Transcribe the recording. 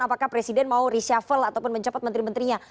apakah presiden mau reshuffle ataupun mencopot menteri menterinya